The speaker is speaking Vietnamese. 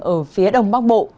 ở phía đông bắc bộ